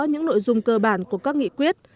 những nội dung cơ bản của các nghị quyết